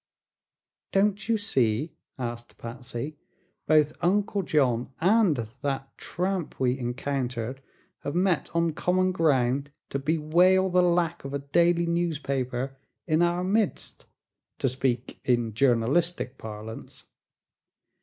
"Don't you see?" asked Patsy. "Both Uncle John and that tramp we encountered have met on common ground to bewail the lack of a daily newspaper 'in our midst' to speak in journalistic parlance.